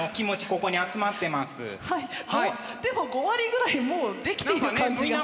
でも５割ぐらいもうできている感じが。